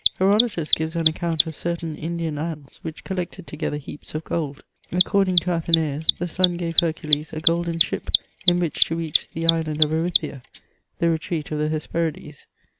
Herodotus gives an account of certain Indian ants which collected together heaps of gold ; according to Atheneeus, the Sun g^ve Hercules a golden ship in which to reach the island of Erythia, the retreat of the Hesperides.